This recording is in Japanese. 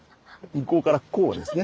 向こうからこうですね。